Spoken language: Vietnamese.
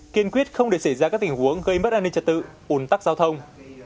kiên quyết không để xảy ra các tình huống gây mất an ninh trật tự ủn tắc giao thông